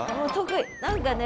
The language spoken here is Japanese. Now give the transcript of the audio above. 何かね